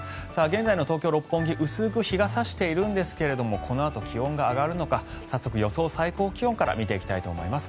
現在の東京・六本木薄く日が差しているんですがこのあと気温が上がるのか早速、予想最高気温から見ていきます。